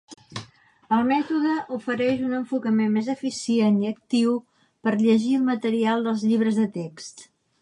El mètode ofereix un enfocament més eficient i actiu per llegir el material dels llibres de text.